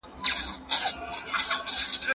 که عزت وکړو نو بې عزته نه کیږو.